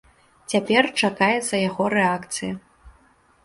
Цяпер чакаецца яго рэакцыя.